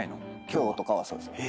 今日とかはそうですね。